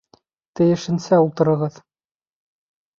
Тейешенсә ултырығыҙ